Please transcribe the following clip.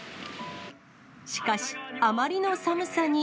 しかし、あまりの寒さに。